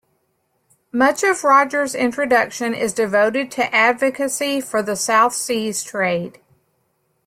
Much of Rogers' introduction is devoted to advocacy for the South Seas trade.